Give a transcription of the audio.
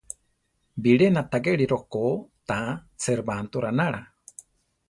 Biré natagere rokó ta, Serbanto ránara.